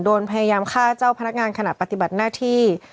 พยายามฆ่าเจ้าพนักงานขณะปฏิบัติหน้าที่